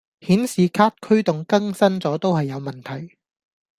顯示卡驅動更新左都係有問題